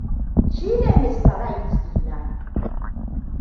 Shi ne Mr. Right ɗina.